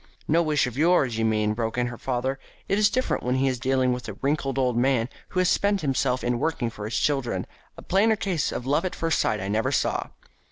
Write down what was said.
"No wish of yours, you mean," broke in her father. "It's different when he is dealing with a wrinkled old man who has spent himself in working for his children. A plainer case of love at first sight I never saw."